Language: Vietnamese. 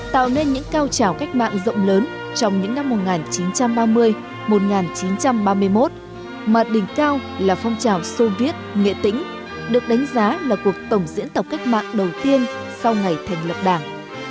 tạo nên những cao trào cách mạng rộng lớn trong những năm một nghìn chín trăm ba mươi một nghìn chín trăm ba mươi một mà đỉnh cao là phong trào soviet nghệ tĩnh được đánh giá là cuộc tổng diễn tộc cách mạng đầu tiên sau ngày thành lập đảng